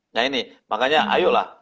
nah ini makanya ayolah